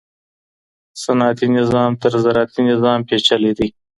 صنعتي نظام تر زراعتي نظام پیچلی دی.